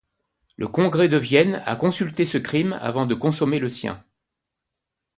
Le congrès de Vienne a consulté ce crime avant de consommer le sien.